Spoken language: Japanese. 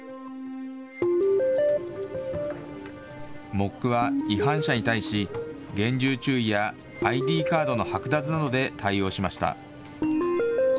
ＭＯＣは違反者に対し、厳重注意や、ＩＤカードの剥奪などで対応しました。